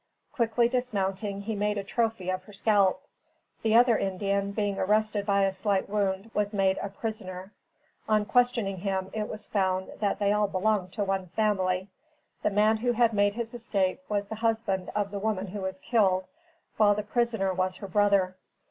Quickly dismounting, he made a trophy of her scalp. The other Indian, being arrested by a slight wound, was made a prisoner. On questioning him, it was found that they all belonged to one family. The man who had made his escape, was the husband of the woman who was killed, while the prisoner was her brother.